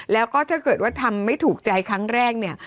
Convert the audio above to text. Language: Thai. แล้วก็ถ้าเกิดว่าทำไม่ถูกใจครั้งแรกเนี่ย